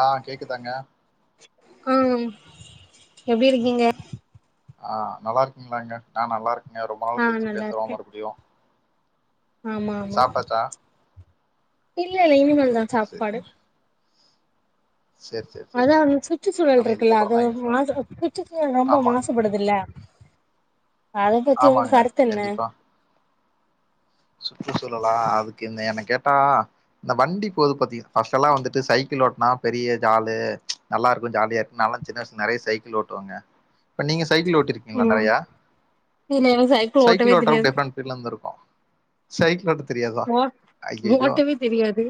ஆ கேக்குதாங்க ம் எப்டி இருக்கீங்க அ நல்லா இருக்கீங்களாங்க நா நல்லாருக்கேங்க ரொம்ப ஆ நாள் கழிச்சு நல்லா பேசுறோ இருக்கே மறுபுடியு ஆமா ஆமா இல்ல இல்ல இனிமேல் சரி தா சரி சாப்பாடு சரிங்க. சரி சரி சரிங்க. அதான் சுற்று சூழல் நானு இருக்குல்ல அது இதுக்கப்புறம் தாங்க மாசு சாப்டணும். சுற்றுச்சூழல் ரொம்ப ஆமாங்க மாசுபடுதுல்ல அத பத்தி உங்க ஆமாங்க கருத்தென்ன கண்டிப்பா. சுற்றுச்சூழலா அதுக்கு என்ன என்ன கேட்டா இந்த வண்டி போது பாத்தீங் பஸ்ட்டெல்லா வந்துட்டு சைக்கிள் ஓட்னா பெரிய ஜாலு நல்லா இருக்கு ஜாலியா இருக்கு நாலா சின்ன வயசுல நெறைய சைக்கிள் ஓட்டுவேங்க இப்ப நீங்க சைக்கிள் ஓட்டீரு கிங்களா ம் நெறையா இல்ல எனக்கு ஓட்டவே சைக்கிள் ஓட்டுறப்ப தெரியாது டிஃப்ரெண்ட் பீல்ல இருந்து இருக்கு சைக்கிள் ஓட்ட தெரியாதா ஓ ஐய்யயோ ஓட்டவே தெரியாது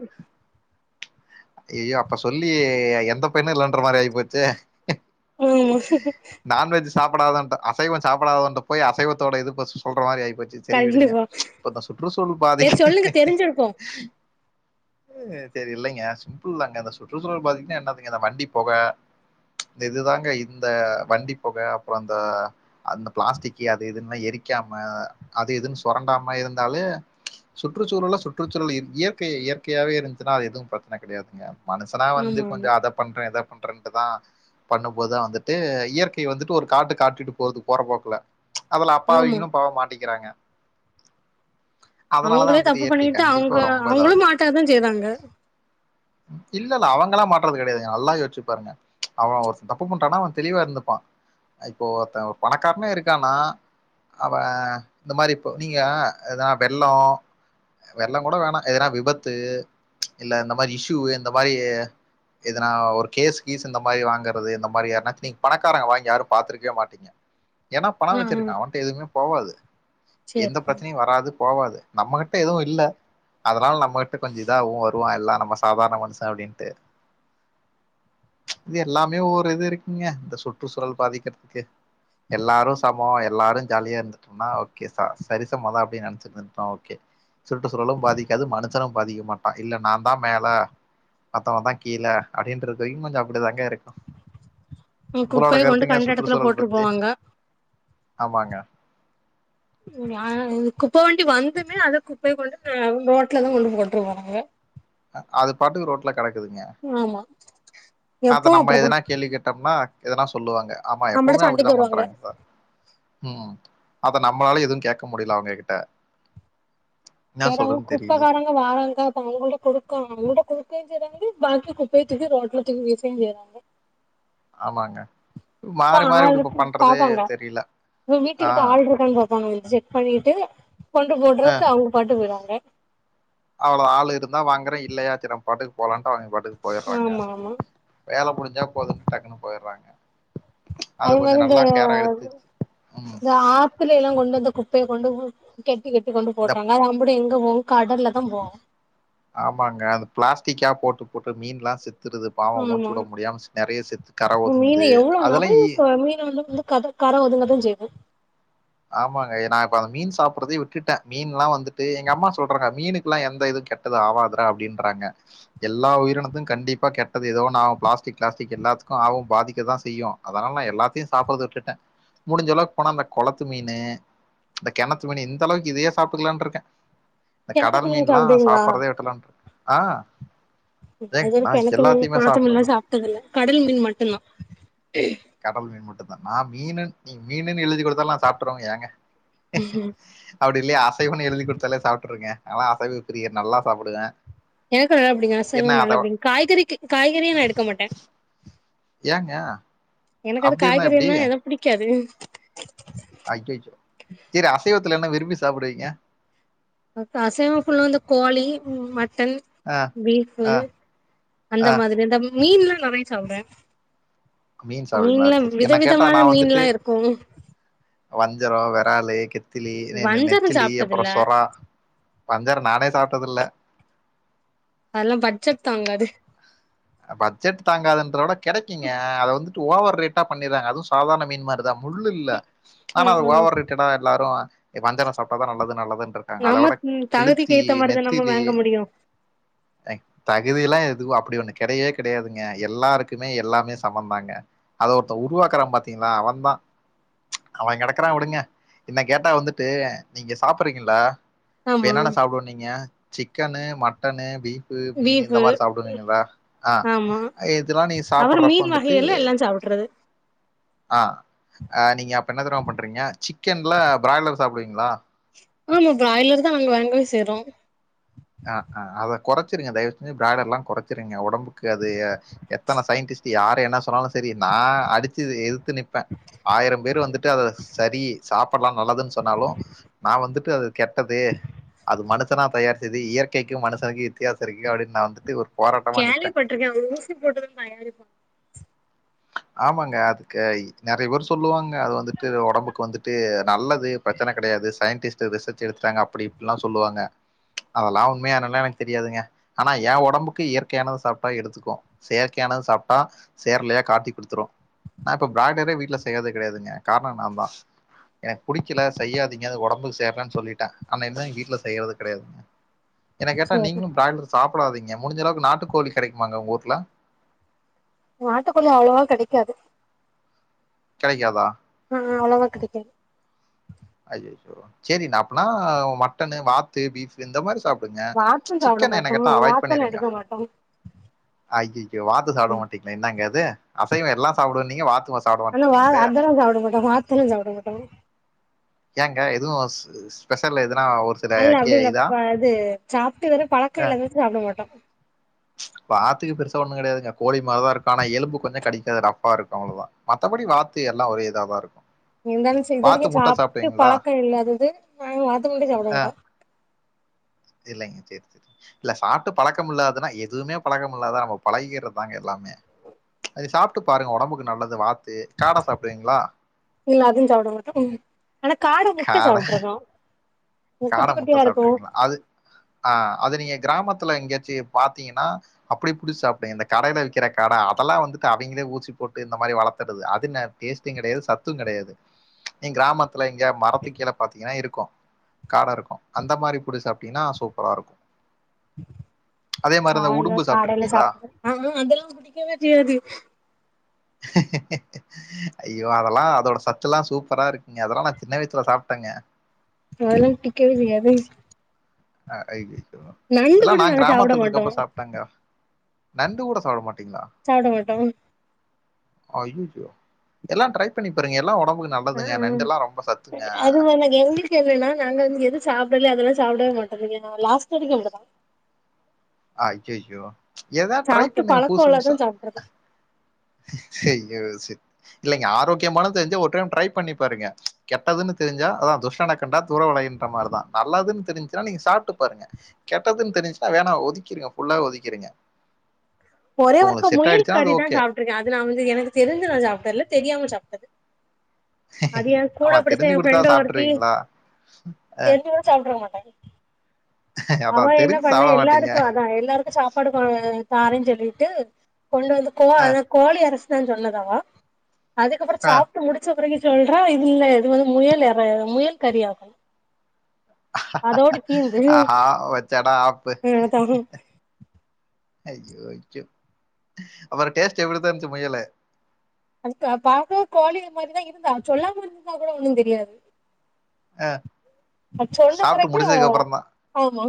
ஐயயோ அப்ப சொல்லி எந்த பையண்ணு இல்லன்ற மாரி ஆயிபோச்சே ம் நான்வெஜ் சாப்பிடாதவன்ட அசைவம் சாப்பிடாதவன்ட போயி அசைவத்தோட இது பஸ்ஸு சொல்ற மாரி ஆயிபோச்சு [unintelligible] இப்ப அந்த சுற்றுசூழல் பாதி சேரி சொல்லுங்க தெரிஞ்சிருக்கு அ தெரில்லங்க சிம்பிள் தாங்க இந்த சுற்றுச்சூழல் பாதிப்புன்னா என்னதுங்க இந்த வண்டி பொக இந்த இதுதாங்க இந்த வண்டி பொக அப்றோ அந்த அந்த பிளாஸ்டிக் அது இதுன்ல்லா எரிக்காம அது இதுன்னு சுரண்டாம இருந்தாலே சுற்றுச்சூழல சுற்றுச்சூழல் இயற்கை இயற்கையாவே இருந்துச்சுன்னா அது எதுவும் பிரச்சன கெடையாதுங்க மனுஷனா வந்து ஆமா ஆமா கொஞ்சோ அத பண்றே இத பண்றேன்ட்டுதா பண்ணும்போதுதா வந்துட்டு இயற்கை வந்துட்டு ஒரு காட்டு காட்டிட்டு போகுது போற போக்குல அதுல ஆமா அப்பாவிங்களு பாவோ மாட்டிக்குறாங்க அதனாலதா அவங்களே வந்துட்டு தப்பு இயற்கை பண்ணிட்டு அவங்க கண்டிப்பா ரொம்ப அவங்களு இதாவது மாட்டதா செய்றாங்க இல்லல்ல அவங்களல்லா மாட்றது கெடையாதுங்க நல்லா யோசிச்சு பாருங்க அவ ஒருதப்பு பண்றானா அவ தெளிவா இருந்துப்பா இப்போ ஒருத்தன் ஒரு பணக்காரனா இருக்கனா அவன் இந்த மாரி இப்போ நீங்க எதா வெள்ளோ வெள்ளோ கூட வேணா எதனா விபத்து இல்ல இந்த மாரி இஷுயூ இந்த மாரி எதனா ஒரு கேஸ் கீஸ் இந்த மாரி வாங்கறது இந்த மாரி யாருனாச்ச நீங்க பணக்காரங்க வாங்கி யாரு பாத்துரக்கவே மாட்டீங் ஏன்னா பணொ ஆ ஆ வச்சிருக்கா அவன்ட்ட எதுவுமே போவாது சேரி எந்த பிரச்ச வராது போவாது நம்மகிட்ட எதுவு இல்ல அதனால நம்மகிட்ட கொஞ்சோ இதாவு வருவா எல்லா நம்ம சாதாரண மனுஷ அப்டீன்ட்டு இது எல்லாமே ஒரு இது இருக்குங்க இந்த சுற்றுச்சூழல் பாதிக்கிறதுக்கு எல்லாரு சமோ எல்லாரு ஜாலியா இருந்துட்டோனா ஓகே சா சரி [unintelligible] நெனச்சிருந்திருக்கலாம் ஓகே சுற்றுச்சூழலு பாதிக்காது மனுஷனு பாதிக்க மாட்டா இல்ல நான் தான் மேல மத்தவன் தான் கீழ அப்டின்றது வரைம் கொஞ்சம் அப்டிதாங்க இருக்கும் குப்பய கொண்டு கண்ட எடத்துல சுற்றுச்சூழல் போட்ற்ரு பத்தி போவாங்க ஆமாங்க குப்ப வண்டி வந்துமே அதுல குப்பய கொண்டு அதும் ரோட்ல தான் கொண்டு போட்டுறுவாங்க அது பாட்டுக்கு ரோட்டுல கெடக்குதுங்க ஆமா அத எப்பவு நம்ம அப்டிதா எதனா கேள்வி கேட்டோம்னா எதனா சொல்லுவாங்க ஆமா நம்மள்ட்ட எப்பவுமே சண்டைக்கு அப்டித்தான் வருவாங்க பண்றாங்க சார் ம் அத நம்மளால எதுவும் கேட்க முடியல அவுங்க கிட்ட என்ன எதையும் சொல்றதுன்னு தெரியல குப்பகாரங்க வாராங்கா அவுங்கள்ட்ட கொடுக்க அவுங்கள்ட குடுக்கையும் செய்யுறாங்க பாக்கி குப்பைய தூக்கி ரோட்ல வீசவும் செய்றாங்க ஆமாங்க இப்ப மாறி மாறி இப்டி இப்ப ஆள்ருக்கு பண்றது பாப்பாங்க தெரியல. ஆ வீட்டுக்கிட்ட ஆள் இருக்கும்போ ங்க வந்து செக் பண்ணிட்டு கொண்டு போட்டுறதுக்கு அவுங்க பாட்டு போயிறாங்க அவ்வளவுத ஆள் இருந்தா வாங்குறேன் இல்லயா செரி நம்ப பாட்டுக்கு போலான்ட்டு அவுங்க பாட்டுக்கு போயிறாங்க ஆமா ஆமா வேல முடிஞ்ச போதுன்னு டக்குன்னு போய்யிறாங்க அது அதே மாரி கொஞ்சம் இந்த நல்லா கேர எடுத்து ம் வெளிய எல்லாம் கொண்டு வந்து குப்பைய கொண்டு கெட்டி கெட்டி கொண்டு இந்த போடறாங்க அது அம்முட்டும் எங்க போவும் கடல்ல தான் போவும் ஆமாங்க அது பிளாஸ்டிக்கா போட்டு போட்டு மீன்லாம் செத்துருது பாவம் மூச்சு ஆமா வுட முடியாம நிறைய செத்து கர ஒதுங்குது அதெல்லாம் அந்த மீன் வந்து கடல் கர ஒதுங்கதான் செய்யும் ஆமாங்க நா இப்ப அந்த மீன் சாப்பறதே விட்டுட்ட மீன்லாம் வந்துட்டு எங்க அம்மா சொல்றாங்க மீனுக்குலாம் எந்த இது கெட்ட ஏதும் ஆவாதுறா அப்டின்றாங்க எல்லா உயிரினத்தும் கண்டிப்பாக கெட்டது ஏதோ ஒன்னு ஆவும் பிளாஸ்டிக் பிளாஸ்டிக் எல்லாத்துக்கும் ஆவும் பாதிக்க தான் செய்யும் அதனால நா எல்லத்தையும் சாப்பறது விட்டுட்டேன் முடிஞ்ச அளவுக்கு போனா அந்த கொளத் மீனு இந்த கெணத்து மீன்னு இந்த அளவுக்கு இதேயே சாப்பிட்டுக்கலாம்னு இருக்கேன் இந்த கெணத்து கடல் மீன்லா மீன்லாம் சாப்டுவீங்களா சாப்பறதே விட்டுடலான்னு இருக்கேன் ஆ நா இது ஏங்க வரைக்கும் கெணத்து மீன் எல்லாத்தையுமே குளத்து மீன்லாம் சாப்டுவேங்க சாப்டது இல்ல கடல் மீன் மட்டும் தான் கடல் மீன் மட்டும்தான் நான் மீனுன் நீ மீனுன்னு எழுதி குடுத்தாலும் நா சாப்பிட்டுருவங்க ஏங்க ம் ம் அப்டி இல்லையா அசைவம்ன்னு எழுதி குடுத்தாலே சாப்டுருவங்க ஆனா அசைவ பிரியன் நல்லா சாப்பிடுவன் எனக்கும் நல்லா பிடிக்கும் அசைவம் நல்லா பிடிக்கும் காய்கறிகு காய்கறியே நா எடுக்க மாட்டேன் ஏங்க எனக்கு அது அப்டி இருந்தா எப்டி காய்கறில்லா ஏதோ பிடிக்காது ஐய்யய்யோ செரி அசைவத்துல என்ன விரும்பி சாப்பிடுவீங்க நமக்கு அசைவம் ஃபுல்லா வந்து கோழி மட்டன் ஆ பீஃப் ஆ அந்த ஆ மாதிரி இந்த மீன்ல்லாம் நெறைய சாப்டுவன் மீன் சாப்டுவீங்களா மீன்லாம் சரி வித என்ன கேட்டா விதமான நா வந்துட்டு மீன்லாம் இருக்கும் வஞ்சரம் வெராலு கெத்திலி நெ நெ வஞ்சரோ நெத்திலி சாப்ட்டதில்ல அப்பறம் சொறா வஞ்சரோ நானே சாப்ட்டது இல்ல அதுலா பஜ்ஜட் தாங்காது அ பட்ஜெட் தாங்காதுன்றத விட கெடைக்கிங்க அத வந்துட்டு ஓவர் ரேட்டா பண்ணிர்றாங்க அதுவு சாதாரண மீன் மாரி தா முல் இல்ல அனா ம் அது ம் ஓவர் ரேட்டடா எல்லாரு வஞ்சரோ சாப்ட்டா தா நல்லது நல்லதுன்ற அத நம்ம விட தகுதிக்கு கெளுத்தி ஏத்த மாரிதா நம்ம நெத்திலி வாங்க முடியு அய் தகுதிலா எதுவு அப்டி ஒன்னு கெடையவே கெடையாதுங்க எல்லாருக்குமே எல்லாமே சமந்தாங்க அத ஒருத்த உருவாக்கறா பாத்திங்களா அவன்தா அவ கெடக்கறா விடுங்க என்ன கேட்டா வந்துட்டு நீங்க சாப்பறீங்கள்ல இப்ப ஆமா என்னன்னா சாப்புடுவன்னீங்க சிக்கனு மட்டனு பீஃப் மீனு இந்த பீஃபு மாரி சாப்டுவீங்களா ஆ ஆமா இதுலா நீங்க அப்புறோ சாப்படுறப்ப மீன் வந்துட்டு வகைகள்ல எல்லா சாப்ட்றது ஆ அ நீங்க அப்ப என்ன தெரிமா பண்றீங்க சிக் கன்ல் பிராய்லர் சாப்புடுவீங்களா ஆமா பிராய்லர் தா நாங்க வாங்கவே செய்றோ அ அ அத கொறச்சிருங்க தயவு செஞ்சு பிராய்லர்லா கொறச்சிருங்க ஒடம்புக்கு அது எத்தன சயின்டிஸ்ட் யார் என்ன சொன்னாலு செரி நா அடிச்சு இது எதுத்து நிப்ப ஆயிரம் பேர் வந்துட்டு அத சரி சாப்படலா நல்லதுன்னு சொன்னாலு நா வந்துட்டு அது கெட்டது அது மனுசனா தயார்ச் சது இயற்கைக்கு மனுசனுக்கு வித்தியாச இருக்கு அப்டின்னு நா வந்துட்டு ஒரு போராட்டமா நிப்பேன். கேள்வி பட்ருக்கே அவுங்க ஊசி போட்டுதா தயாரிப்பாங் ஆமாங்க அதுக்கு நறைய பேர் சொல்லுவாங்க அது வந்துட்டு ஒடம்புக்கு வந்துட்டு நல்லது பிரச்சன கெடையாது சயின்டிஸ்ட் ரிசர்ச் எடுத்துட்டாங்க அப்டி இப்டிலா சொல்லுவாங்க அதலா உண்மையா என்னன்லா எனக்கு தெரியாதுங்க அனா ஏ ஒடம்புக்கு இயற்கையானது சாப்ட்டா எடுத்துக்கு செயற்கையானது சாப்ட்டா சேர் லேட் காட்டி குடுத்துரு நா இப்ப பிராய்லரே வீட்டுல செய்யறது கெடையாதுங்க காரணோ நா தா எனக்கு புடிக்கல செய்யாதீங்க அது ஒடம்புக்கு சேர்லன்னு சொல்லீட்டே அன்னைலருந்து எங்க வீட்ல செய்யறது கெடையாதுங்க என்ன கேட்டா சேரி நீங்களு பிராய்லர் சாப்படாதீங்க முடிஞ்ச அளவுக்கு நாட்டு கோழி கெடைக்குமாங்க உங்க ஊர்ல நாட்டுக்கோழி அவ்ளவா கெடைக்காது கெடைக்காதா ஆ அவ்ளவா கெடைக்காது அய்யய்யோ சேரி நாப்பனா மட்டனு வாத் து பீப் இந்த மாரி சாப்டுங்க வாத்தும் சாப்ட சிக்கன் என்ன மாட்டோ கேட்டா அவாய்ட் வாத்தெல்லா பண்ணிருங்க எடுக்க மாட்டோ அய்யய்யோ வாத்து சாப்பட மாட்டிங்களா என்னாங்க இது அசைவ எல்லா சாப்படுவன்னீங்க வாத்து [unintelligible] ஹலோ வா அதல்லா சாப்பட மாட்ட வாத்தெல்லா சாப்பட மாட்டங்க ஏங்க எதுவு ஸ் ஸ்பெஷல் எதுனா ஒ அதுல்ல அப்டி இல்ல ப இது சாப்ட்டு வேற பழக்கோ அ இல்லங்க சாப்பட மாட்டோ வாத்துக்கு பெருசா ஒண்ணு கெடையாதுங்க கோழி மார் தா இருக்கு அனா எழும்பு கொஞ்சோ கடிக்க ரஃபா இருக்கு அவ்ளதா மத்தபடி வாத்து எல்லா ஒரே இதாதா இருக்கு இருந்தாலு செரி இது வரைக்கு சாப்ட்டு பழக்கோ இல்லாதது நாங்க வாத்து [unintelligible] சாப்பட அ மாட்டோ இல்லைங்க சேர் சேர் இல்ல சாப்ட்டு பழக்கம் இல்லாததுன்னா எதுவுமே பழக்க முடில அதா நம்ம பழகிக்கறதுதாங்க எல்லாமே அது சாப்ட்டு பாருங்க ஒடம்புக்கு நல்லது வாத்து காட சாப்புடுவீங்களா இல்ல அதுவு சாப்பட மாட்டோ அனா காட முட்ட சாப்ட்ருக்கோ காட குட்டி முட்ட குட்டியா இருக்கு சாப்ட்ருகிங்களா அது ஆ அது நீங்க கிராமத்துல எங்கயாச்சி பாத்தீங்கன்னா அப்படி புடிச்சு சாப்டுங்க இந்த கடையில விக்கற காட அதல்லா வந்துட்டு அவிங்களே ஊசி போட்டு இந்தமாரி வளத்தறது அது நெ டேஸ்ட்டும் கிடையாது சத்தும் கிடையாது கிராமத்துல எங்கயாது மரத்துக்கு கீழ பாத்தீங்கன்னா இருக்கும் காடா இருக்கும் அந்த மாறி புடுச்சு சாப்டிங்னா சூப்பரா இருக்கும் அதே மாறி தான் கால்ல உடும்பு காடையில சாப்ட்டுருக்கீங்களா சாப்ட ஆ அதெல்லாம் புடிக்கவே செய்யது [inaudible] ஐயோ அதலாம் அதோட சத்துலாம் சூப்பரா இருக்குங்க அதலாம் நான் சின்ன வயசுல சாப்பிட்டேங்க அதெலாம் புடிக்கவே புடிக்காது ஆ ரைட் நண்டு இதெல்லாம கூட நா நாங்க சாப்ட கிராமத்ல மாட்டோ இருக்கப்ப சாப் ட்டங்க நண்டு கூட சாப்பிட மாட்டிங்களா சாப்ட மாட்டோம் அய்யய்யோ எல்லாம் ட்ரை பண்ணி பாருங்க எல்லாம் உடம்புக்கு ஆ நல்லதுங்க ஆ நண்டெல்லாம் ரொம்ப சத்துங்க அது எனக்கு எங்களுக்கு [unintelligible] எப்படின்னா எதுலாம் நால்லது வந்து எது சாப்பிடல அ அதொம் சாப்பிடவே மாட்டங்க லாஸ்ட் வரைக்கும் அப்படிதா அயோயோ எதாது ட்ரை பண்ணுங்க புதுசு புதுசா ச ஐயோ இல்லைங்க ஆரோக்கியமானனு தெரிஞ்ச ஒரு டைம் ட்ரை பண்ணி பாருங்க கெட்டதுன்னு தெரிஞ்சா அதான் துஷடணக்கண்டா தூர விலகி மாறி தான் நல்லதுன்னு தெரிஞ்சுன்னா நீங்க சாப்ட்டு பாருங்க கெட்டதுன்னு தெரிஞ்சுன்னா வேணா ஒக்கக்கிருங்க ஃபுல்லாவே ஒதுக்கக்கிறுங்க ஒரே ஒருக்கா முயல் அது கறி தான் ஓகே சாப்ப அது நா வந்து எனக்கு தெரிஞ்சு சாப்ட்டதில்ல தெரியாம சாப்ட்டிருக்கேன் அது என் கூட ஆமா படிச்ச தெரிஞ்சு என் குடுத்தா ஃப்ரெண்ட ஒருத்தி சாப்ட்ருவீங்களா அ ச சாப்ட்ருக்க மாட்ட அதா அவ என்ன தெரிஞ்சு பண்ண சாப்ட மாட்டீங்க எல்லாருக்கும் அதான் எல்லாருக்கும் சாப்ப சாப்பாடு தாரன்னு சொல்லிட்டு கொண்டு வந்து கோ அ அத கோழி அரசு தான் சொன்னதாவ அதுக்கப்புறம் அ சாப்பிட்டு முடி பிறகு சொல்றா இதுல இது வந்து முயல் ஏற முயல் கறிய தீந்து ஆஹா வெச்சாடா ஆப்பு அது ஐயோ ஐயோ அப்புறம் டேஸ்ட் எப்படித்தான் இருச்சு முயலு அதுக்கு பாக்கவும் கோழி இது மாதிரிதான் இருந்தா சொல்லாம இருந்ததுதா கூட ஒண்ணும் தெரியாது அது சொன்ன சாப்பிட்டு பிறகு முடிச்சதுக்கு ஆமா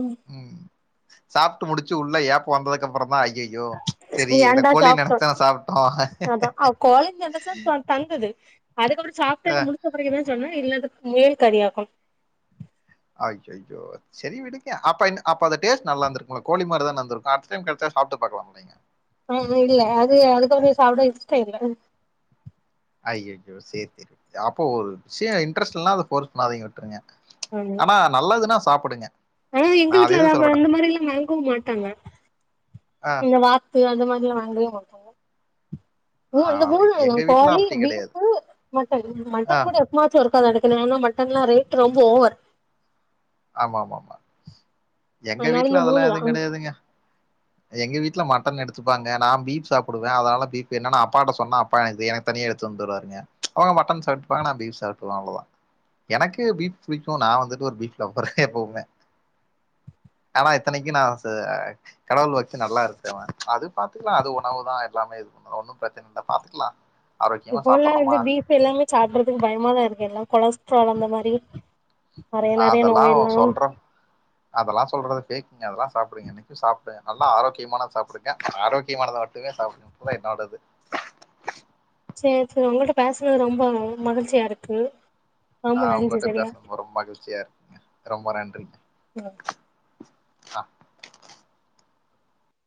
சாப்ட்டு முடிச்சு உள்ள ஏப்ப வந்ததுக்கு அப்புறம் தான் ஐயோ செரி இத ஏன்டா கோழினு சாப்ட்டோ நெனச்சுதான்ன சாப்பிட்டோம் அதா அவ கோழின்னு சொன்னச்ச தந்தது அதுக்கப்புறம் சாப்பிட்டல முடிச்ச பிறகுதா சொன்னா இல்ல அது முயல் கறியாக்கும் ஐயையோ சரி விடுங்க அப்ப அப்ப அத டேஸ்ட் நல்லா இருந்திருக்குள கோழி மாறி தான இருந்திருக்கு அடுத்தடைம் கெடைச்சா சாப்பிட்டு பாக்கலாம் இலைங்க ம் இல்ல அது அ அதுக்கப்புறம் சாப்பிட இஷ்டல்ல ஐ்யோ ஐயோ செரி அப்போ ஒரு விஷய இன்ட்ரெஸ்ட் இல்லா அ ஃபோர்ஸ் பண்ணாதீங்க விட்டுருங்க ஆனா நல்லதுன்னா சாப்பிடுங்க ஆ எங்க நான் அதை வீட்ல எதுவும் சொல்ல மாட்டேன் இந்த மாறில்லாம் வாங்கவும் மாட்டாங்க ஆ, இந்த வாத்து அந்த மாதிரிலாம் வாங்கவே மாட்டோம் ஆ, அந்த மூணு வாங்கு எங்க வீட்ல கோழி அப்படி கிடையாது பீஃப் மட்டன் ஆ, மட்டன் கூட எப்பவாச்சும் ஒருக்கா தான் எடு ஏனா மட்டன்லாம் ரேட் ரொம்ப ஓவர் ஆமாமாமா எங்க அதனால இந்த வீட்ல மூணு அதெல்லாம் தா எதுவும் கிடையாதுங்க எங்க வீட்டுல மட்டன் எடுத்துப்பாங்க நான் பீஃப் சாப்பிடுவேன் அதனால பீஃப் என்னன்னா அப்பாட்ட சொன்னா அ எனக்குனியா எடுத்து வந்துருவருங்க அவங்க மட்டன் சாப்பிட்டுவாங்க பீஃப் சாப்டுவ அவ்வளதான் எனக்கு பீஃப் பிடிக்கும் நான் வந்துட்டு ஒரு பீஃப் லவர் எப்பவுமே ஆனா இத்தனைக்கு நா ச கடவுள் பக்தி நல்லா இருக்றவன் அது பாத்துக்குலா அது உணவுதா எல்லாமே இது ஒன்னு பிரச்சனில்ல பாத்துக்குலா இப்போலா வந்து ஃபீப் எல்லாமே சாப்புறதுக்கு பயமாதா இருக்கு எல்லா கொலஸ்ட்ரால் அந்த மாரி நறைய நறைய நோயெல்லா அதெல்லா சொல்றது ஃபேக்குங்க அதெல்லா சாப்டுங்க இனைக்கு சாப்ட்ட நல்லா ஆரோக்கியமானது சாப்புடுங்க ஆரோக்கியமானதா மட்டுமே சாப்புடுங்றதா என்னோடது சேர் சேர் உங்கட்ட பேஸ்னது ரொம்ப மகிழ்ச்சியா இருக்கு ரொம்ப ஆ நன்றி உங்கட்ட சரியா பேஸ்னதும் ரொம் மகிழ்ச்சியா இருக்குங்க ரொம்ப நன்றிங்க அ